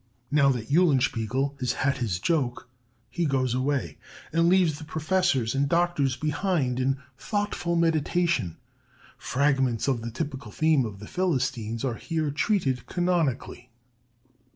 Now that Eulenspiegel has had his joke, he goes away and leaves the professors and doctors behind in thoughtful meditation. Fragments of the typical theme of the Philistines are here treated canonically.